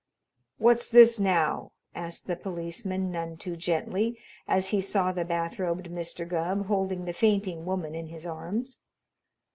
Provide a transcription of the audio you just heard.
"What's this now?" asked the policeman none too gently, as he saw the bathrobed Mr. Gubb holding the fainting woman in his arms.